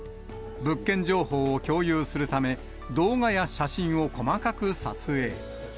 物件情報を共有するため、動画や写真を細かく撮影。